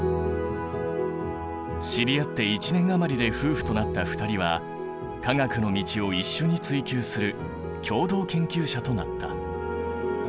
知り合って１年余りで夫婦となった２人は科学の道を一緒に追究する共同研究者となった。